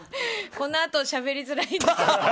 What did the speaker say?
このあとしゃべりづらいんですけど。